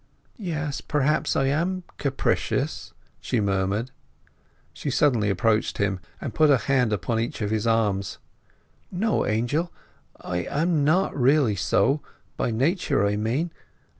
"Yes, perhaps I am capricious," she murmured. She suddenly approached him, and put a hand upon each of his arms. "No, Angel, I am not really so—by nature, I mean!"